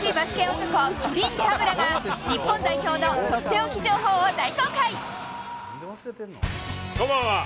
男、麒麟・田村が、日本代表のとっておき情報を大公こんばんは。